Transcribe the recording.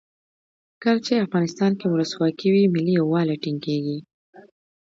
کله چې افغانستان کې ولسواکي وي ملي یووالی ټینګیږي.